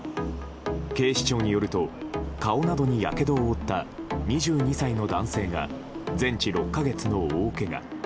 警視庁によると顔などにやけどを負った２２歳の男性が全治６か月の大けが。